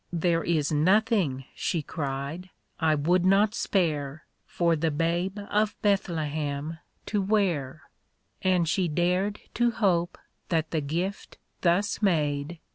There is nothing," she cried, 1 would not spare " For the Babe of Bethlehem to wear I" And she dared to hope that the gift thus made.